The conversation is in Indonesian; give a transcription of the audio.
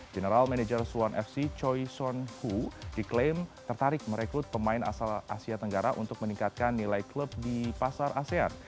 general manager suwan fc choi son hu diklaim tertarik merekrut pemain asal asia tenggara untuk meningkatkan nilai klub di pasar asean